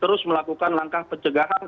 terus melakukan langkah pencegahan